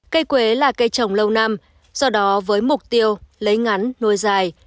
cây quế là cây trồng lâu năm do đó với mục tiêu lấy ngắn nuôi dài